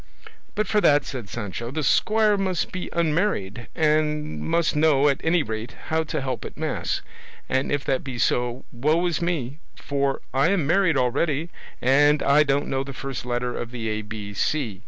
"But for that," said Sancho, "the squire must be unmarried, and must know, at any rate, how to help at mass, and if that be so, woe is me, for I am married already and I don't know the first letter of the A B C.